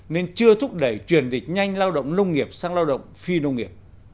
nên chưa thúc đẩy truyền dịch nhanh lao động nông nghiệp sang lao động phi nông nghiệp